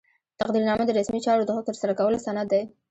تقدیرنامه د رسمي چارو د ښه ترسره کولو سند دی.